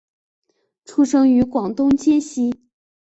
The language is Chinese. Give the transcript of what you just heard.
出生于广东揭西。